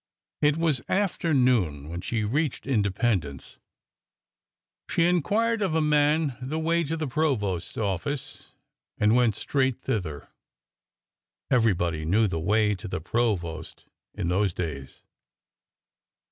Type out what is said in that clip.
It was after noon when she reached Independence. She inquired of a man the way to the provost's office and went straight thither. Everybody knew the way to the provost in those days.